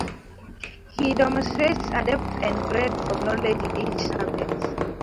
He demonstrates a depth and breadth of knowledge in each subject.